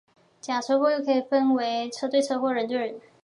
假车祸又可以分为车对车或人对车。